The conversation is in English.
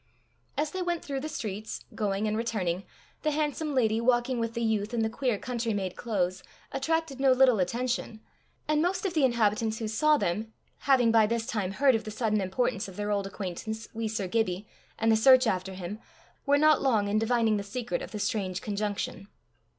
As they went through the streets, going and returning, the handsome lady walking with the youth in the queer country made clothes, attracted no little attention, and most of the inhabitants who saw them, having by this time heard of the sudden importance of their old acquaintance, wee Sir Gibbie, and the search after him, were not long in divining the secret of the strange conjunction.